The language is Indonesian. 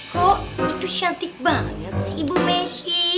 kok itu cantik banget si ibu messi